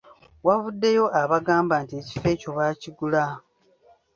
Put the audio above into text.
Wavuddeyo abagamba nti ekifo ekyo baakigula.